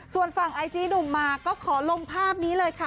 ส่วนฝั่งไอจีหนุ่มมากก็ขอลงภาพนี้เลยค่ะ